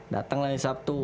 datang lah di sabtu